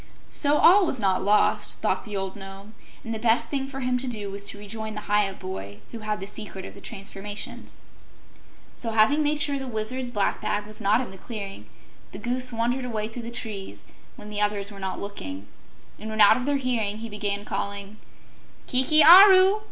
So all was not lost, thought the old Nome, and the best thing for him to do was to rejoin the Hyup boy who had the secret of the transformations. So, having made sure the Wizard's black bag was not in the clearing, the Goose wandered away through the trees when the others were not looking, and when out of their hearing, he began calling, "Kiki Aru!